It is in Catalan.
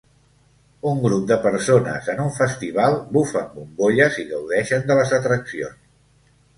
Un grup de persones en un festival bufen bombolles i gaudeixen de les atraccions.